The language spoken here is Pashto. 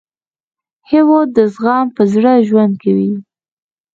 هېواد د زغم په زړه ژوند کوي.